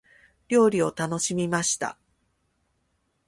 料理を楽しみました。